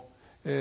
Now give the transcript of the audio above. え